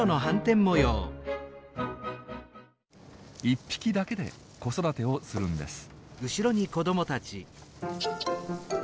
一匹だけで子育てをするんです。